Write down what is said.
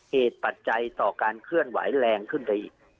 ปัจจัยต่อการเคลื่อนไหวแรงขึ้นไปอีก